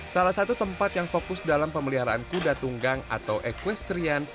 salah satu tempat yang fokus dalam pemeliharaan kuda tunggang atau equestrian